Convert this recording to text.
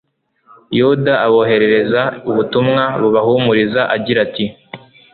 yuda aboherereza ubutumwa bubahumuriza agira ati